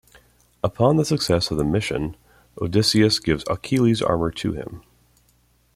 Upon the success of the mission, Odysseus gives Achilles' armour to him.